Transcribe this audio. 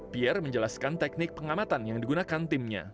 pier menjelaskan teknik pengamatan yang digunakan timnya